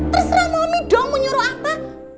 terserah mami dong mau nyuruh apa